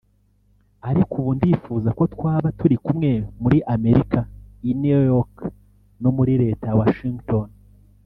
ariko ubu ndifuza ko twaba turi kumwe muri Amerika i New York no muri leta ya Washington